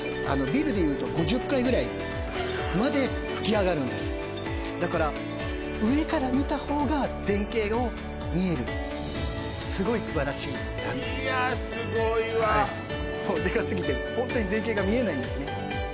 ビルでいうと５０階ぐらいまで噴き上がるんですだから上から見た方が全景を見えるすごい素晴らしいいやすごいわそうデカすぎてホントに全景が見えないんですね